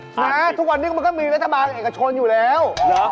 นะทุกวันนี้มันก็มีรัฐบาลเอกชนอยู่แล้วเหรอ